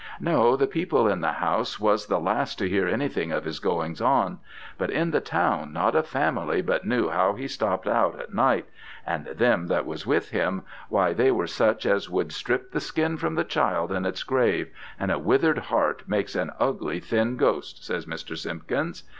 No, the people in the house was the last to hear anything of his goings on. But in the town not a family but knew how he stopped out at night: and them that was with him, why they were such as would strip the skin from the child in its grave; and a withered heart makes an ugly thin ghost, says Mr. Simpkins.